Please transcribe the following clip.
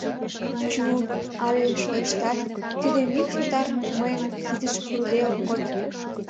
Чу але, шойыштат, тиде мӱкш отар мыйын кидыш пурыде ок код...